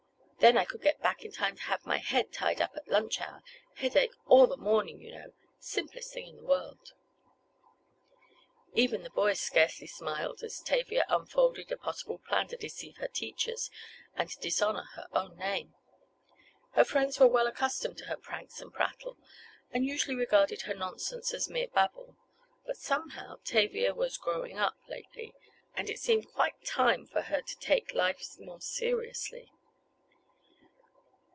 Then I could get back in time to have my head tied up at lunch hour—head ache all the morning, you know. Simplest thing in the world." Even the boys scarcely smiled as Tavia unfolded a possible plan to deceive her teachers, and to dishonor her own name. Her friends were well accustomed to her pranks and prattle, and usually regarded her nonsense as mere babble. But, somehow, Tavia, was "growing up," lately, and it seemed quite time for her to take life more seriously.